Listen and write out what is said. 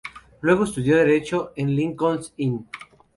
Luego estudió derecho en el Lincoln's Inn.